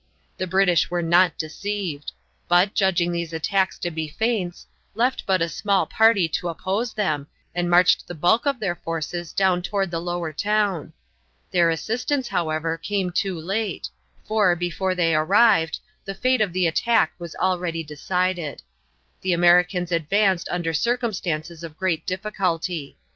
The British were not deceived; but, judging these attacks to be feints, left but a small party to oppose them and marched the bulk of their forces down toward the lower town. Their assistance, however, came too late, for, before they arrived, the fate of the attack was already decided. The Americans advanced under circumstances of great difficulty.